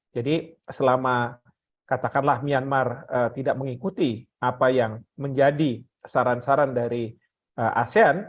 jadi selama katakanlah myanmar tidak mengikuti apa yang menjadi saran saran dari asean